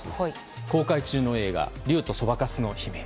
公開中の映画「竜とそばかすの姫」。